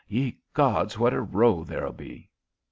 Ye gods, what a row there'll be."